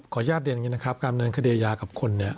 ขออนุญาตอย่างนี้นะครับการเนินคดียายากับคน